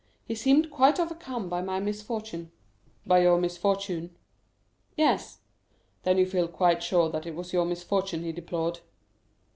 He seemed quite overcome by my misfortune." "By your misfortune?" "Yes." "Then you feel quite sure that it was your misfortune he deplored?"